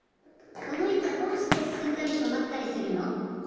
このいたどうしてすすんだりとまったりするの？